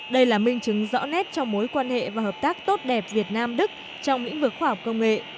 đây là minh chứng rõ nét cho mối quan hệ và hợp tác tốt đẹp việt nam đức trong lĩnh vực khoa học công nghệ